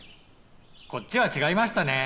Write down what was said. こっちは違いましたね。